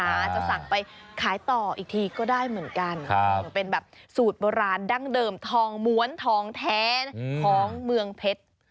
อาจจะสั่งไปขายต่ออีกทีก็ได้เหมือนกันเป็นแบบสูตรโบราณดั้งเดิมทองม้วนทองแท้ของเมืองเพชร